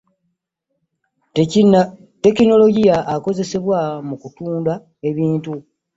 tekinologiya akozesebwa mu kutunda ebintu.